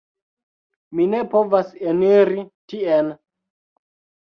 Mi ne povas eniri tien